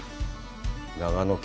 長野県。